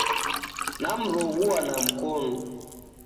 Namroghua na mkonu